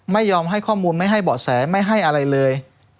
ไม่ยอมให้ข้อมูลไม่ให้เบาะแสไม่ให้อะไรเลย